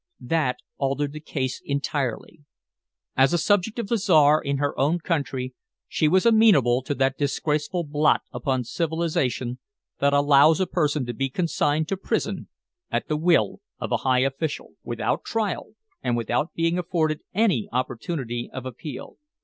That altered the case entirely. As a subject of the Czar in her own country she was amenable to that disgraceful blot upon civilization that allows a person to be consigned to prison at the will of a high official, without trial or without being afforded any opportunity of appeal.